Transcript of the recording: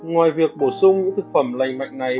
ngoài việc bổ sung những thực phẩm lành mạnh này